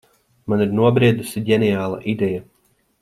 Man ir nobriedusi ģeniāla ideja.